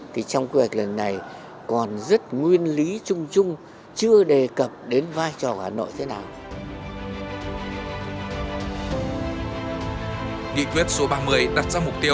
thì trong quy hoạch lần này còn rất nguyên lý trung trung chưa đề cập đến vai trò hà nội thế nào